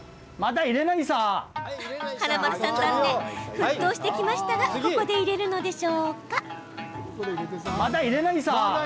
沸騰してきましたがここで入れるのでしょうか？